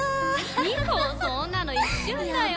そんなの一瞬だよ。